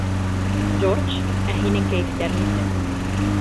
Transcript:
Джордж, ә һинең кәйефтәр нисек?